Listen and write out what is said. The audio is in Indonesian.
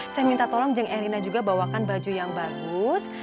saya minta tolong jeng erina juga bawakan baju yang bagus